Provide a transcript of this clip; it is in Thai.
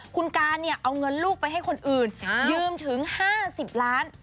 คุณการเนี่ยเอาเงินลูกไปให้คนอื่นยืมถึง๕๐ล้าน